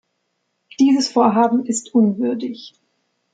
Dieses Vorhaben ist unwürdig.